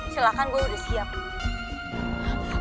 silahkan gue udah siap